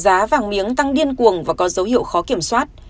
giá vàng miếng tăng điên cuồng và có dấu hiệu khó kiểm soát